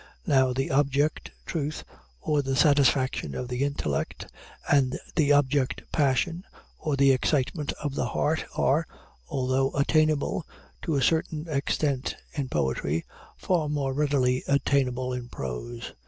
Now the object, Truth, or the satisfaction of the intellect, and the object Passion, or the excitement of the heart, are, although attainable, to a certain extent, in poetry, far more readily attainable in prose.